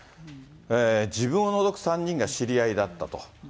自分を除く３人が知り合いだったと。